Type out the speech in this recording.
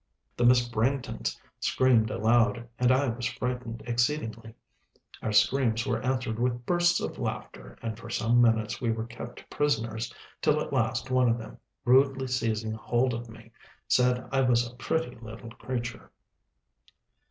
The Miss Branghtons screamed aloud, and I was frightened exceedingly; our screams were answered with bursts of laughter, and for some minutes we were kept prisoners, till at last one of them, rudely seizing hold of me, said I was a pretty little creature.